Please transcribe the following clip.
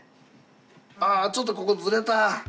あちょっとここズレた。